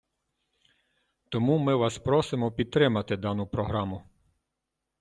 Тому ми вас просимо підтримати дану програму.